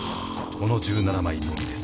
この１７枚のみです。